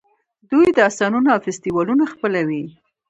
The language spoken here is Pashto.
دوی داستانونه او فستیوالونه خپلوي.